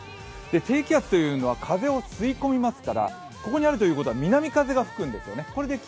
低気圧というのは風を吸い込みますからここにあるということは南風が吹くんですね。